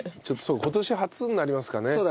ちょっとそう今年初になりますかね。